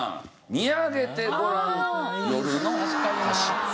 『見上げてごらん夜の星』。